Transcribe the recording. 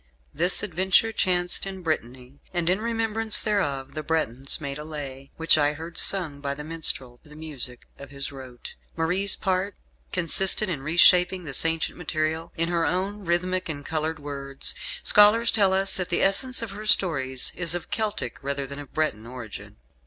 This adventure chanced in Brittany, and in remembrance thereof the Bretons made a Lay, which I heard sung by the minstrel to the music of his rote. Marie's part consisted in reshaping this ancient material in her own rhythmic and coloured words. Scholars tell us that the essence of her stories is of Celtic rather than of Breton origin.